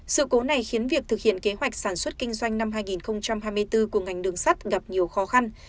sự cố này khiến việc thực hiện kế hoạch sản xuất kinh doanh năm hai nghìn hai mươi bốn của ngành đường sắt gặp nhiều khó khăn